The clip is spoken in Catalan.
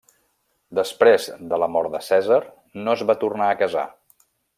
Després de la mort de Cèsar, no es va tornar a casar.